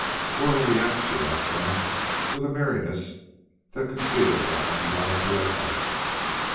"Where are we at?" she asked them, with a merriness that concealed her anxiety at heart.